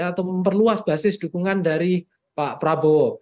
atau memperluas basis dukungan dari pak prabowo